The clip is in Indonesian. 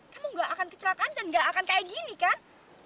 kamu gak akan kecelakaan dan gak akan kayak gini kan